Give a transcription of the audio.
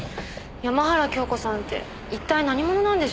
山原京子さんって一体何者なんでしょう？